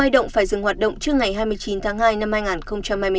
động trước ngày hai mươi chín tháng hai năm hai nghìn hai mươi bốn